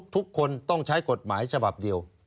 ทุกคนต้องใช้กฎหมายฉบับเดียว